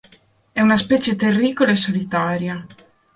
È una specie terricola e solitaria.